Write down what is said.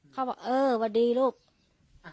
เขาบอกเออพอดีลูกอ่ะ